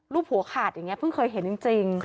หัวขาดอย่างนี้เพิ่งเคยเห็นจริง